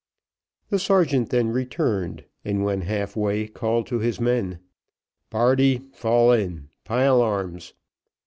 The sergeant then returned, and when half way, called to his men: "Party fall in pile arms."